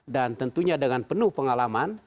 dan tentunya dengan penuh pengalaman